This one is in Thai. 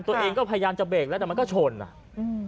ตัวเองก็พยายามจะเบรกแล้วแต่มันก็ชนอ่ะอืม